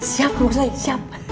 siap pak ustadz siap